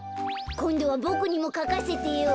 こんどはボクにもかかせてよ。